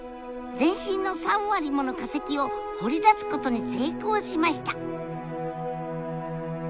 全身の３割もの化石を掘り出すことに成功しました！